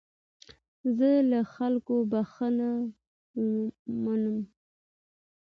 زه له خلکو بخښنه منم.